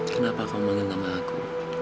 kenapa kamu manggil nama aku